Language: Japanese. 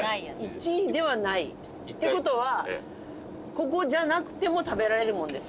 １位ではないって事はここじゃなくても食べられるものですよ。